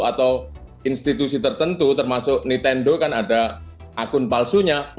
atau institusi tertentu termasuk nintendo kan ada akun palsunya